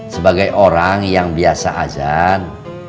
sebagai orang yang biasa azan